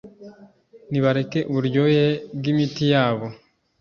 Nibareke uburyohe bwimiti yabo.